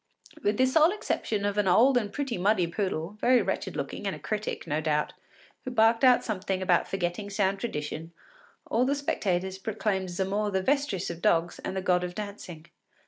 With the sole exception of an old and pretty muddy poodle, very wretched looking, and a critic, no doubt, who barked out something about forgetting sound tradition, all the spectators proclaimed Zamore the Vestris of dogs and the god of dancing.